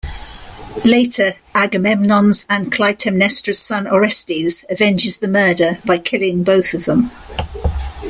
Later Agamemnon's and Clytemnestra's son Orestes avenges the murder by killing both of them.